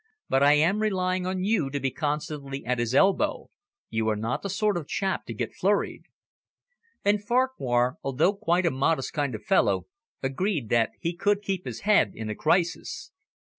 "But I am relying on you to be constantly at his elbow. You are not the sort of chap to get flurried." And Farquhar, although quite a modest kind of fellow, agreed that he could keep his head in a crisis.